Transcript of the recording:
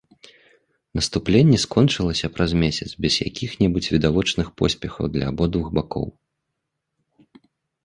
Наступленне скончылася праз месяц без якіх-небудзь відавочных поспехаў для абодвух бакоў.